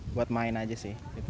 buat main aja sih